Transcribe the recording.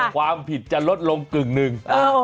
ความผิดจะลดลงกึ่งหนึ่ง